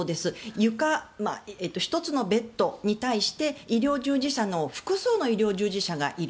床、１つのベッドに対して複数の医療従事者がいる。